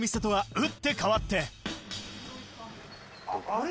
あれ？